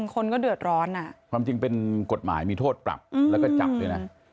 คนก็เดือดร้อนความจริงเป็นกฎหมายมีโทษปรับแล้วก็จับด้วยนะ